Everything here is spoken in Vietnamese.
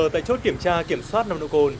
tại chốt kiểm tra kiểm soát nồng độ cồn